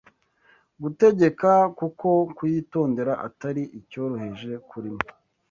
Gutegeka Kuko kuyitondera atari icyoroheje kuri mwe